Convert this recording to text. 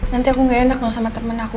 nanti aku gak enak loh sama temen aku